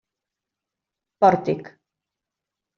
Pòrtic.